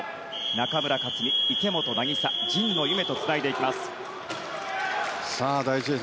中村克、池本凪沙、神野ゆめとつないでいきます。